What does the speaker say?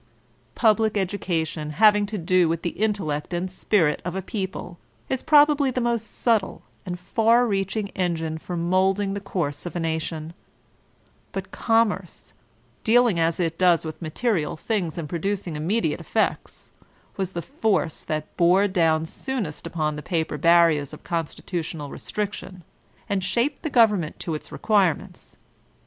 Public education, having to do with the intellect and spirit of a people, is probably the most subtle and far reaching engine for molding the course of a nation ; but commerce, dealing as it does with material things and producing immediate effects, was the force that bore down soonest upon the paper barriers of constitutional restriction, and shaped the government to its requirements.